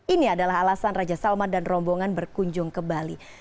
ini adalah alasan raja salman dan rombongan berkunjung ke bali